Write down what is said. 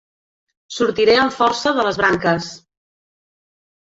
Sortiré amb força de les branques.